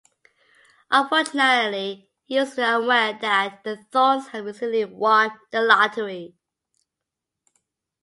Unfortunately he was unaware that the Thornes had recently won the lottery.